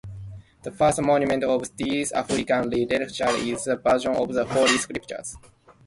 The first monument of this Armenian literature is the version of the Holy Scriptures.